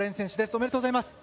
おめでとうございます。